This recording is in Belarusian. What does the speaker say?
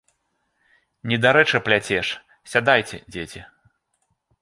Недарэчы пляцеш, сядайце, дзеці.